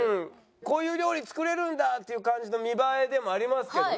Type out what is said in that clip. こういう料理作れるんだっていう感じの見栄えでもありますけどね。